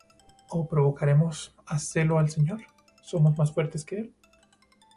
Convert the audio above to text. ¿O provocaremos á celo al Señor? ¿Somos más fuertes que él?